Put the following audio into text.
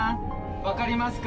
分かりますか？